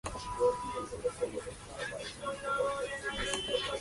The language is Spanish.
Records, Parrot Records y Checker Records.